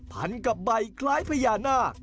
พันกับใบคล้ายพญานาค